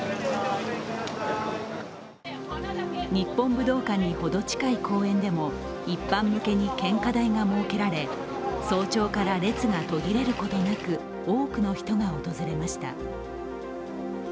日本武道館にほど近い公園でも一般向けに献花台が設けられ、早朝から列が途切れることなく多くの人が訪れました。